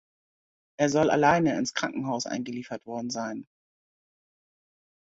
Er soll alleine ins Krankenhaus eingeliefert worden sein.